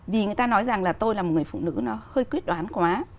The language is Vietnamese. vì người ta nói rằng là tôi là một người phụ nữ nó hơi quyết đoán quá